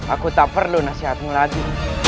aku tak perlu nasihatmu lagi